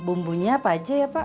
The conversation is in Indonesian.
bumbunya apa aja ya pak